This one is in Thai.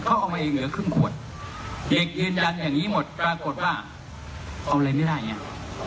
เขาเอามาเองเหลือครึ่งขวดเด็กยืนยันอย่างนี้หมดปรากฏว่าเอาอะไรไม่ได้ไง